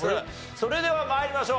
それでは参りましょう。